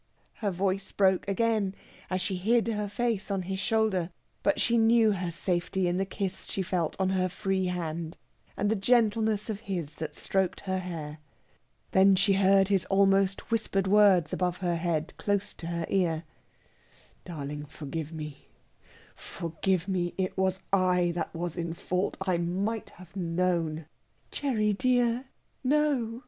Her voice broke again, as she hid her face on his shoulder; but she knew her safety in the kiss she felt on her free hand, and the gentleness of his that stroked her hair. Then she heard his almost whispered words above her head, close to her ear: "Darling, forgive me forgive me! It was I that was in fault. I might have known...." "Gerry, dear ... no!..."